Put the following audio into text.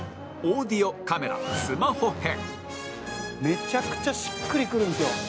めちゃくちゃしっくりくるんですよ。